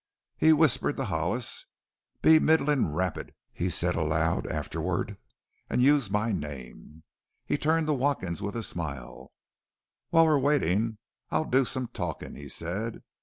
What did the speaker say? He whispered to Hollis. "Be middlin' rapid," he said aloud afterward, "an' use my name." He turned to Watkins with a smile. "While we're waitin' I'll do some talkin'," he said.